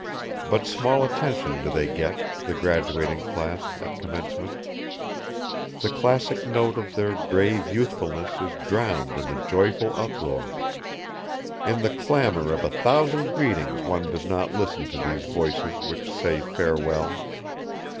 But small attention do they get, the graduating class, at commencement. The classic note of their grave youthfulness is drowned in the joyful uproar; in the clamor of a thousand greetings one does not listen to these voices which say farewell.